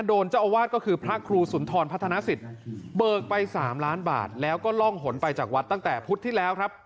โดนเจ้าอาวาสก็คือพระครูสุนทรพัฒนสิทธิ์เบิกไป๓ล้านบาทแล้วก็ล่องหนไปจากวัดตั้งแต่พุธที่แล้วครับ